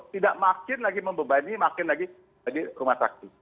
tidak makin lagi membebani makin lagi rumah sakit